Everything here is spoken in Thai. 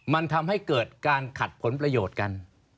มันทำให้เกิดการขัดผลประโยชน์กัน